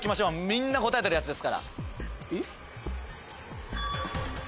みんな答えてるやつですから。